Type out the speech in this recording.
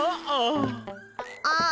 ああ。